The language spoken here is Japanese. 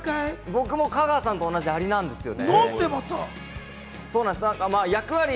僕も香川さんと同じアリなんですよ。